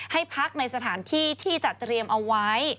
ให้พักในสถานที่ที่จัดเตรียมเอาไว้